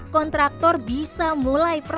kontraktor bisa mulai membangun